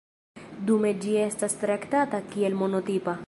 Dume ĝi estas traktata kiel monotipa.